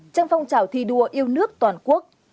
trang phong trào thi đua yêu nước toàn quốc